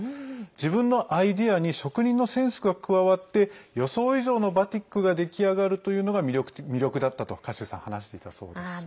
自分のアイデアに職人のセンスが加わって予想以上のバティックが出来上がるというのが魅力だったと賀集さん話していたそうです。